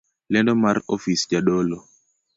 Lendo mar ofis jadolo